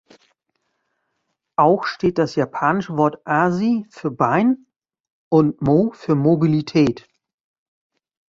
Auch steht das japanische Wort "Asi" für „Bein“ und "Mo" für „Mobilität“.